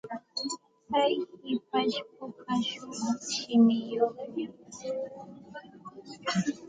Tsay hipashpuka shumaq shimichayuqmi.